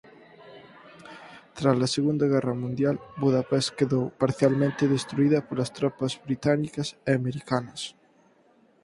Trala Segunda Guerra Mundial Budapest quedou parcialmente destruída polas tropas británicas e americanas.